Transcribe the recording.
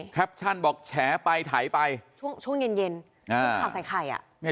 แคปชั่นบอกแฉไปถ่ายไปช่วงช่วงเย็นเย็นอ่าภาพใส่ไข่อ่ะ